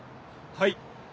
はい。